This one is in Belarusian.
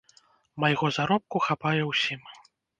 Майго заробку хапае ўсім.